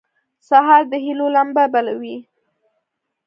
سهار د هيلو لمبه بلوي.